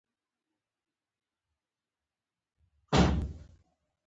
موږ سخت ستړي شولو.